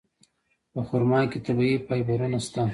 په خرما کې طبیعي فایبرونه شته.